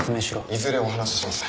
いずれお話しします。